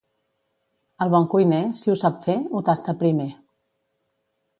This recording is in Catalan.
El bon cuiner, si ho sap fer, ho tasta primer.